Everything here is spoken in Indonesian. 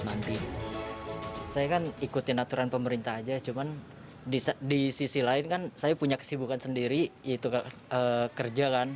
saya kan ikutin aturan pemerintah aja cuman di sisi lain kan saya punya kesibukan sendiri yaitu kerja kan